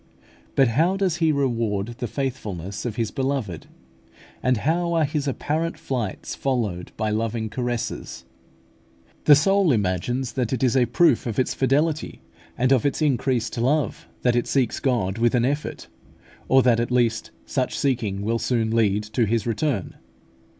But how does He reward the faithfulness of His beloved! And how are His apparent flights followed by loving caresses! The soul imagines that it is a proof of its fidelity and of its increased love that it seeks God with an effort, or that at least such seeking will soon lead to His return.